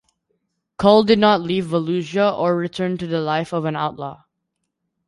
Kull did not leave Valusia or return to the life of an outlaw.